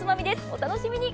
お楽しみに！